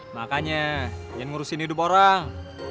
makanya yang ngurusin hidup orang